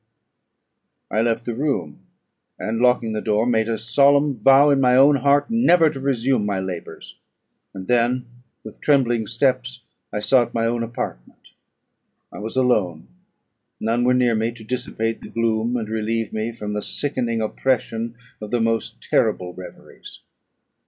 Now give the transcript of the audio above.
I left the room, and, locking the door, made a solemn vow in my own heart never to resume my labours; and then, with trembling steps, I sought my own apartment. I was alone; none were near me to dissipate the gloom, and relieve me from the sickening oppression of the most terrible reveries.